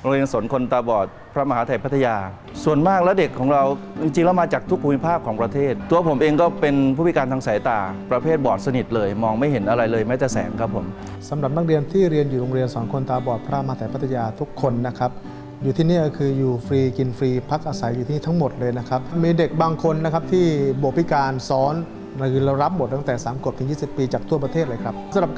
โรงเรียนสนคนตาบอดพระมหาธัยพัทยาส่วนมากแล้วเด็กของเราจริงแล้วมาจากทุกภูมิภาพของประเทศตัวผมเองก็เป็นผู้พิการทางสายตาประเภทบอดสนิทเลยมองไม่เห็นอะไรเลยแม้แต่แสงครับผมสำหรับบางเรียนที่เรียนอยู่โรงเรียนสนคนตาบอดพระมหาธัยพัทยาทุกคนนะครับอยู่ที่นี่ก็คืออยู่ฟรีกินฟรีพักอา